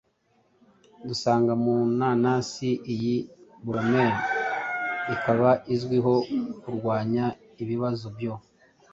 dunsanga mu nanasi. Iyi bromelain ikaba izwiho kurwanya ibibazo byo